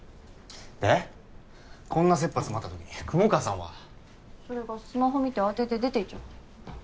でこんな切羽詰まった時に雲川さんは？それがスマホ見て慌てて出て行っちゃって。